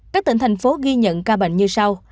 các tỉnh thành phố ghi nhận ca bệnh như sau